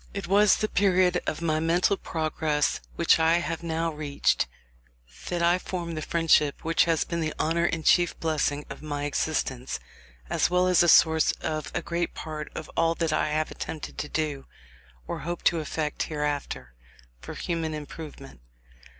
It was the period of my mental progress which I have now reached that I formed the friendship which has been the honour and chief blessing of my existence, as well as the source of a great part of all that I have attempted to do, or hope to effect hereafter, for human improvement.